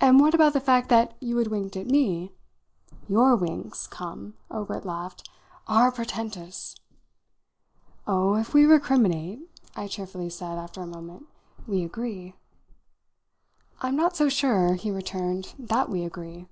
"And what about the fact that you had winked at me? Your winks come" Obert laughed "are portentous!" "Oh, if we recriminate," I cheerfully said after a moment, "we agree." "I'm not so sure," he returned, "that we agree."